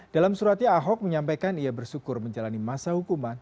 dalam suratnya ahok menyampaikan ia bersyukur menjalani masa hukuman